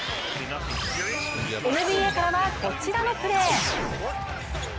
ＮＢＡからはこちらのプレー。